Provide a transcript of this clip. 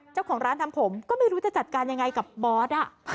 เจ้าของร้านทำผมก็ไม่รู้จะจัดการยังไงกับบอส